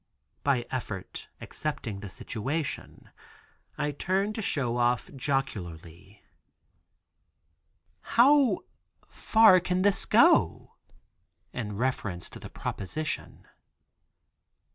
By effort accepting the situation, I turn to Show Off, jocularly: "How far can this go?" in reference to the proposition.